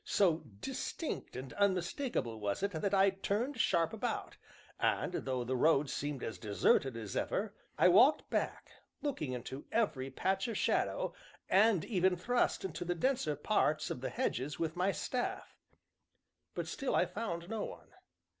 So distinct and unmistakable was it that I turned sharp about, and, though the road seemed as deserted as ever, I walked back, looking into every patch of shadow, and even thrust into the denser parts of the hedges with my staff; but still I found no one.